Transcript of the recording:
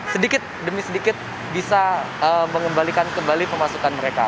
sedikit demi sedikit bisa mengembalikan kembali pemasukan mereka